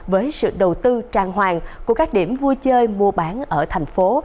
với sự đầu tư trang hoàng của các điểm vui chơi mua bán ở thành phố